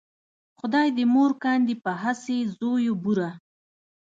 خدای دې مور کاندې په هسې زویو بوره